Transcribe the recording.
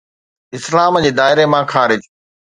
اسلام جي دائري مان خارج